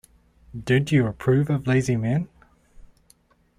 Don't you approve of lazy men?